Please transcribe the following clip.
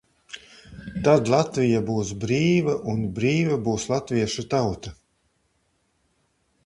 Tad Latvija būs brīva un brīva būs latviešu tauta.